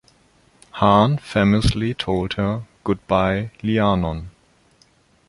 Hahn famously told her: Goodbye Lianon.